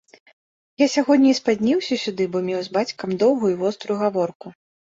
Я сягоння і спазніўся сюды, бо меў з бацькам доўгую і вострую гаворку.